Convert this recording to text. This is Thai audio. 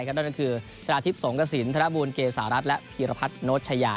แล้วนั่นคือธนาทิพย์สงฆสินธนบูรณ์เกษารัสและฮิรพัฒน์โนชยา